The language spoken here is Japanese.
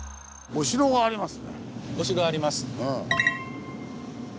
お城あります。